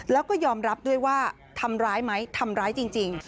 แล้วก็ยอมรับด้วยว่าทำร้ายไหมทำร้ายจริง